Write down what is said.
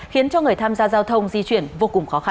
khiến cho người tham gia giao thông di chuyển vô cùng khó khăn